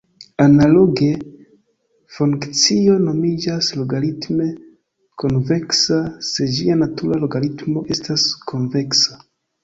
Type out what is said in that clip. Analoge, funkcio nomiĝas logaritme konveksa se ĝia natura logaritmo estas konveksa.